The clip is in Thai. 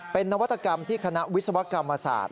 เป็นนวัตกรรมที่คณะวิศวกรรมศาสตร์